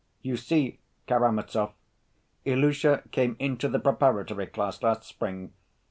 "You see, Karamazov, Ilusha came into the preparatory class last spring.